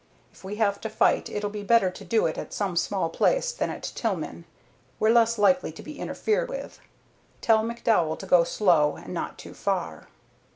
If we have to fight, it'll be better to do it at some small place than at Tillman. We're less likely to be interfered with. Tell McDowell to go slow and not too far."